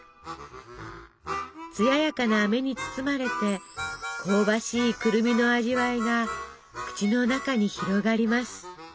つややかなあめに包まれて香ばしいくるみの味わいが口の中に広がります。